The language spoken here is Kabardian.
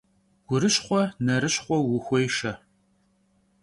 Gurışxhue nerışxhue vuxuêşşe.